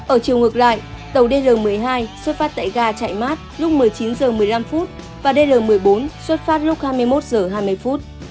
ở chiều ngược lại tàu dl một mươi hai xuất phát tại ga chạy mát lúc một mươi chín h một mươi năm và dl một mươi bốn xuất phát lúc hai mươi một h